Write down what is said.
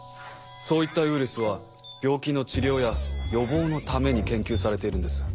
そういったウイルスは病気の治療や予防のために研究されているんです。